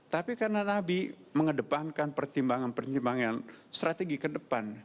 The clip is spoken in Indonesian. tapi karena nabi mengedepankan pertimbangan pertimbangan strategi ke depan